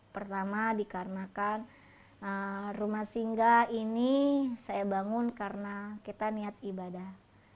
pertama dikarenakan rumah singgah ini saya bangun karena kita niat ibadah